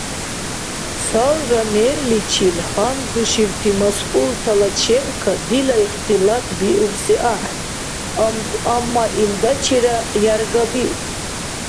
Цалра мэрличил гьандушибти масъултала чебкад дила ихтилат биубси ахӏен, амма илдачира яргабиур.